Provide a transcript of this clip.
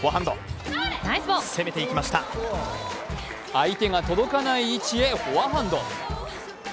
相手が届かない位置へフォアハンド。